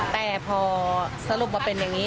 แต่พอสรุปมาเป็นอย่างนี้